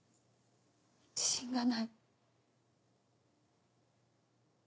自信がない。